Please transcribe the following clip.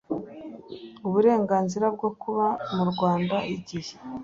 uburenganzira bwo kuba mu rwanda igihe